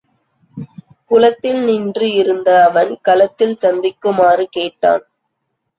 குளத்தில் நின்று இருந்த அவன் களத்தில் சந்திக்குமாறு கேட்டான்.